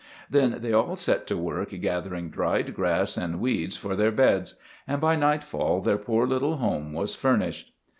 Then they all set to work gathering dried grass and weeds for their beds, and by nightfall their poor little home was furnished.